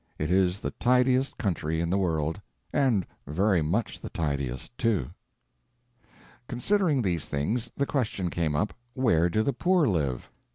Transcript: It is the tidiest country in the world. And very much the tidiest, too. Considering these things, the question came up, Where do the poor live?